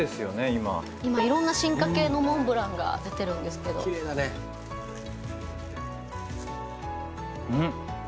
今今色んな進化系のモンブランが出てるんですけどきれいだねうん？